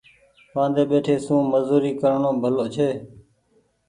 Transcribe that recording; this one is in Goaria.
وآندي ٻيٺي سون مزوري ڪرڻو ڀلو ڇي۔